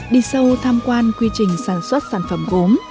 đi sâu tham quan quy trình sản xuất sản phẩm gốm